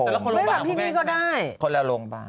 ไม่ตามที่นี้ก็ได้